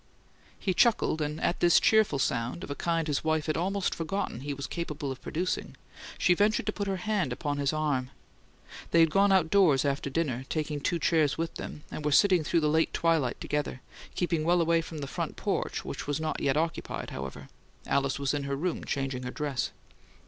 He chuckled, and at this cheerful sound, of a kind his wife had almost forgotten he was capable of producing, she ventured to put her hand upon his arm. They had gone outdoors, after dinner, taking two chairs with them, and were sitting through the late twilight together, keeping well away from the "front porch," which was not yet occupied, however Alice was in her room changing her dress.